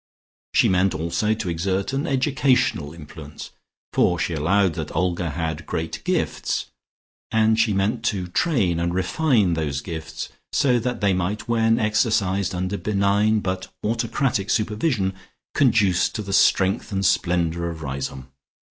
She meant also to exert an educational influence, for she allowed that Olga had great gifts, and she meant to train and refine those gifts so that they might, when exercised under benign but autocratic supervision, conduce to the strength and splendour of Riseholme.